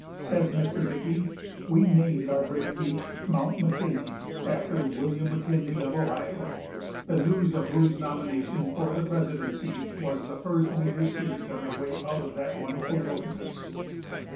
Says Mr. Dickey: "We named our great peak Mount McKinley, after William McKinley, of Ohio, the news of whose nomination for the presidency was the first we received on our way out of that wonderful wilderness."